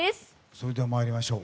それでは参りましょう。